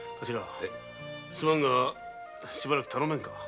すまんがしばらく頼めんかな？